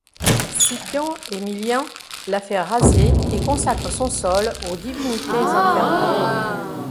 Scipion Émilien la fait raser et consacre son sol aux divinités infernales.